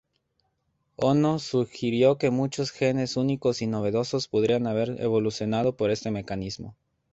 Ohno sugirió que muchos genes únicos y novedosos podrían haber evolucionado por este mecanismo.